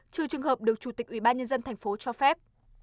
trừ trường hợp được chủ tịch ủy ban nhân dân thành phố cho phép